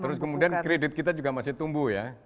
terus kemudian kredit kita juga masih tumbuh ya